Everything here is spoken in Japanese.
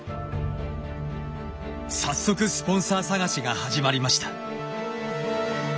早速スポンサー探しが始まりました。